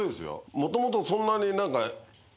もともとそんなに。